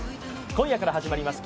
今夜から始まります